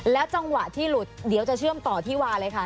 จังหวะที่หลุดเดี๋ยวจะเชื่อมต่อที่วาเลยค่ะ